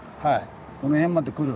この辺まで来る。